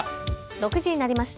６時になりました。